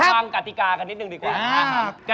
กติกากันนิดนึงดีกว่า